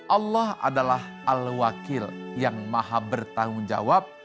allah adalah al wakil yang maha bertanggung jawab